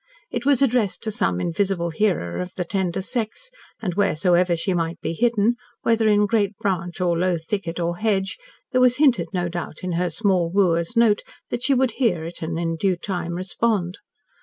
It was addressed to some invisible hearer of the tender sex, and wheresoever she might be hidden whether in great branch or low thicket or hedge there was hinted no doubt in her small wooer's note that she would hear it and in due time respond.